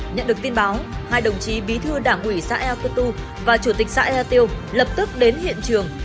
nhận được tin báo hai đồng chí bí thư đảng ủy xã ea cơ tu và chủ tịch xã ea tiêu lập tức đến hiện trường